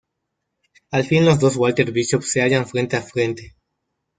Al fin los dos Walter Bishop se hallan frente a frente.